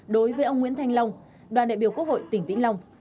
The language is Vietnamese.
đối với ông nguyễn thanh long đoàn đại biểu quốc hội tỉnh vĩnh long